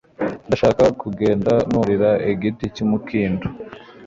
ndashaka kugenda nurira igiti cyumukindo